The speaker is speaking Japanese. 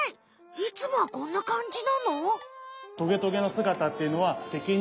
いつもはこんなかんじなの？